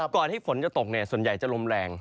ก่อนที่ฝนจะตกส่วนใหญ่จะลมแรง